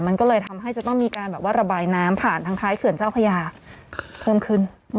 มันก็เลยทำให้จะต้องมีการแบบว่าระบายน้ำผ่านทางท้ายเขื่อนเจ้าพญาเพิ่มขึ้น